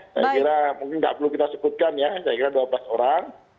saya kira mungkin tidak perlu kita sebutkan ya saya kira dua belas orang